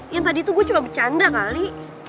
yang tadi tuh gue cuma bercanda kali